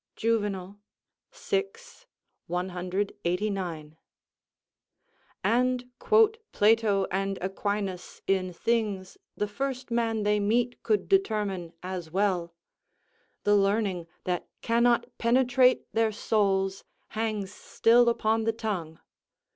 Juvenal, vi. 189.] and quote Plato and Aquinas in things the first man they meet could determine as well; the learning that cannot penetrate their souls hangs still upon the tongue.